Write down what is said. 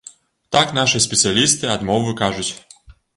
Так нашыя спецыялісты ад мовы кажуць.